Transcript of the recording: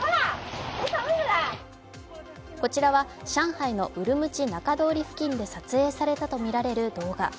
こちらは上海のウルムチ中通りで撮影されたとみられる動画。